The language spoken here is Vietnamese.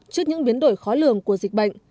trước những biến đổi khó lường của dịch bệnh